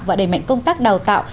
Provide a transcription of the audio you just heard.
và đẩy mạnh công tác đào tạo